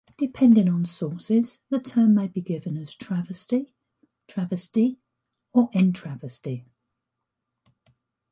Depending on sources, the term may be given as travesty, travesti, or en travesti.